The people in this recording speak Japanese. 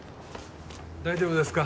大丈夫ですか？